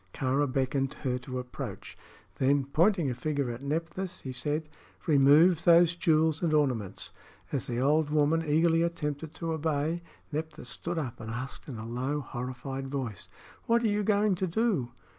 Kāra beckoned her to approach. Then, pointing a finger at Nephthys, he said: "Remove those jewels and ornaments." As the old woman eagerly attempted to obey, Nephthys stood up and asked in a low, horrified voice: "What are you going to do?"